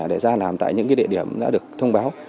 để ra làm tại những địa điểm đã được thông báo